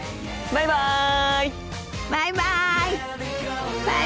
バイバイ。